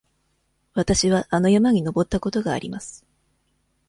わたしはあの山に登ったことがあります。